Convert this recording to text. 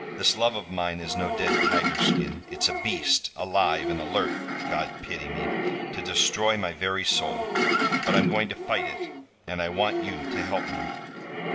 This love of mine is no dead tiger skin. It's a beast, alive and alert God pity me! to destroy my very soul. But I'm going to fight it; and I want you to help me."